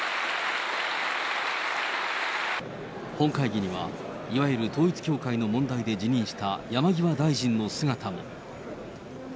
本会議には、いわゆる統一教会の問題で辞任した山際大臣の姿も。